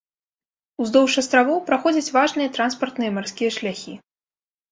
Уздоўж астравоў праходзяць важныя транспартныя марскія шляхі.